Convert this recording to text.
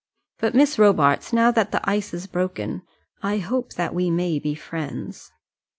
But, Miss Robarts, now that the ice is broken, I hope that we may be friends."